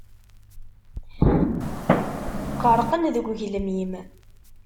Ɣerqen deg ugelmim.